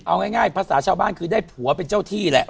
เอาง่ายภาษาชาวบ้านคือได้ผัวเป็นเจ้าที่แหละ